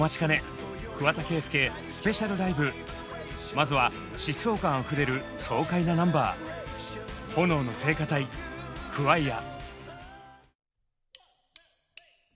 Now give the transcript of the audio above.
まずは疾走感あふれる爽快なナンバー「炎の聖歌隊［Ｃｈｏｉｒ］」。